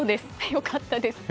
良かったです。